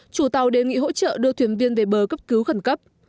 chủ tàu đề nghị hỗ trợ đưa thuyền viên về bờ cấp cứu khẩn cấp